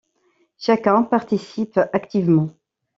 Chacun participe activement.